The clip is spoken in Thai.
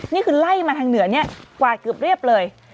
นี่คือไล่มาทางเหนือเนี่ยกวาดเกือบเรียบเลย